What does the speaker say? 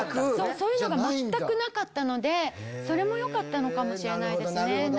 そういうのが全くなかったのでそれもよかったのかもしれないですね。